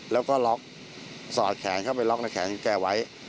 แล้วก็ล็อกสอดแขนเข้าไปล็อกในแขนของแกไว้